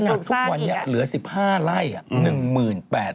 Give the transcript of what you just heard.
ขนาดทุกวันนี้เหลือ๑๕ไร่๑หมื่น๘๐๐ล้าน